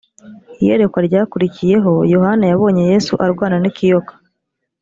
iyerekwa ryakurikiyeho yohana yabonye yesu arwana n ikiyoka